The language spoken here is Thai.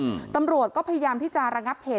อืมตำรวจก็พยายามที่จะระงับเหตุ